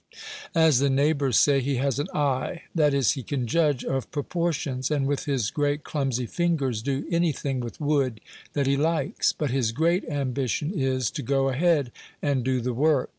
As the neighbors say, he has an eye, that is, he can judge of proportions, and, with his great clumsy fingers, do anything with wood that he likes; but his great ambition is, to go ahead and do the work.